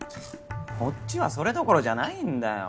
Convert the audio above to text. こっちはそれどころじゃないんだよ。